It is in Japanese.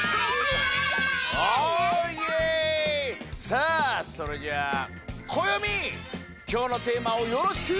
さあそれじゃあこよみきょうのテーマをよろしく！